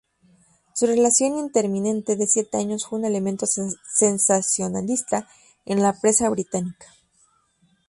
Su relación intermitente de siete años fue un elemento sensacionalista en la prensa británica.